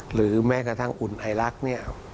หรือแม้กระทั่งอุ่นไอลักษณ์เนี่ย